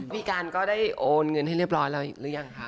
พี่การก็ได้โอนเงินให้เรียบร้อยแล้วหรือยังคะ